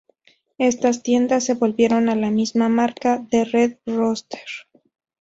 Estas tiendas se volvieron a la misma marca de Red Rooster.